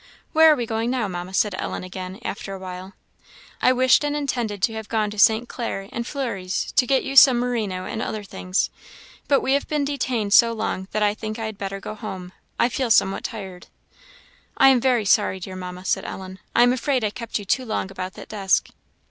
"Where are we going now, Mamma?" said Ellen again, after a while. "I wished and intended to have gone to St. Clair and Fleury's, to get you some merino and other things, but we have been detained so long already that I think I had better go home. I feel somewhat tired." "I am very sorry, dear Mamma," said Ellen; "I am afraid I kept you too long about that desk."